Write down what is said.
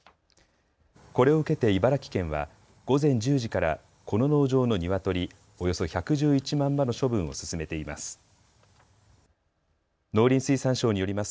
これを受けて茨城県は午前１０時からこの農場のニワトリおよそ１１１万羽の処分を進めています。